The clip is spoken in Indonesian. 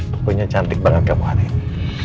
tukunya cantik banget kamu hari ini